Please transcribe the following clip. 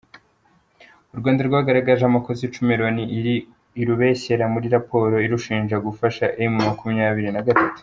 U Rwanda rwagaragaje amakosa Icumi Loni irubeshyera muri raporo irushinja gufasha M makumyabiri nagatatu